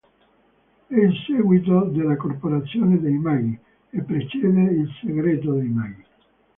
È il seguito de "La corporazione dei maghi" e precede "Il segreto dei maghi".